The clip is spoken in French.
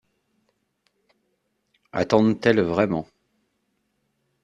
Attendent-elles vraiment?